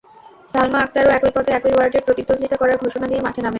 ছালমা আক্তারও একই পদে একই ওয়ার্ডে প্রতিদ্বন্দ্বিতা করার ঘোষণা দিয়ে মাঠে নামেন।